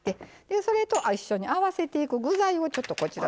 それと一緒に合わせていく具材をちょっとこちらのほうに。